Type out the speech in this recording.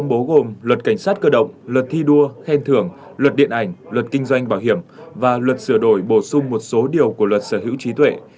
năm bố gồm luật cảnh sát cơ động luật thi đua khen thưởng luật điện ảnh luật kinh doanh bảo hiểm và luật sửa đổi bổ sung một số điều của luật sở hữu trí tuệ